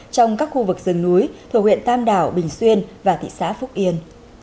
trong các khu vực rừng núi thuộc huyện tam đảo bình xuyên và thị xã phúc yên